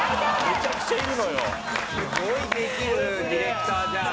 「すごいできるディレクターじゃん」